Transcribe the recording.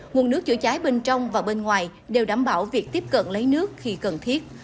nguồn nước chữa cháy bên trong và bên ngoài đều đảm bảo việc tiếp cận lấy nước khi cần thiết